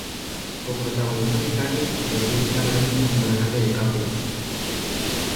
Coprotagonizó "Titanic", de James Cameron, junto a Leonardo DiCaprio.